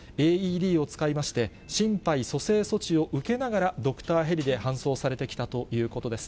ＡＥＤを使いまして、心肺蘇生措置を受けながら、ドクターヘリではんそうされてきたということです。